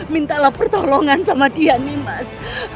mintalah pertolongan sama dia nimas